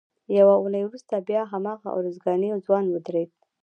یوه اونۍ وروسته بیا هماغه ارزګانی ځوان ودرېد.